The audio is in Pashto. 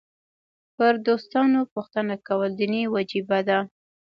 پر دوستانو پوښتنه کول دیني وجیبه ده.